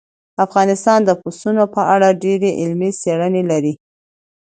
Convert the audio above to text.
افغانستان د پسونو په اړه ډېرې علمي څېړنې لري.